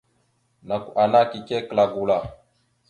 Nakw ana kige kəla gula.